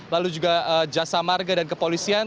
lalu juga jasa marga dan kepolisian